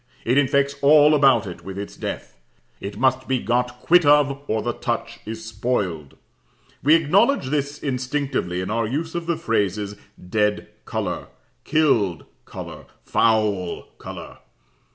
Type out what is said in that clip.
It infects all about it with its death. It must be got quit of, or the touch is spoiled. We acknowledge this instinctively in our use of the phrases "dead colour," "killed colour," "foul colour."